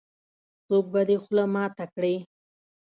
-څوک به دې خوله ماته کړې.